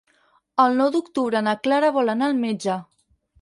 El nou d'octubre na Clara vol anar al metge.